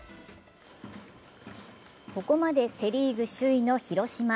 ここまでセ・リーグ首位の広島。